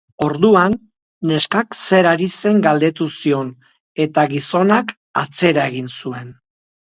Orduan, neskak zer ari zen galdetu zion eta gizonak atzera egin zuen.